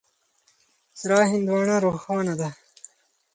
سره هندوانه روښانه ده.